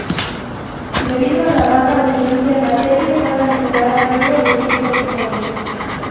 Debido a la baja audiencia la serie fue cancelada luego de cinco episodios.